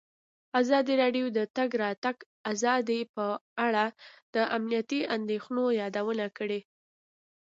ازادي راډیو د د تګ راتګ ازادي په اړه د امنیتي اندېښنو یادونه کړې.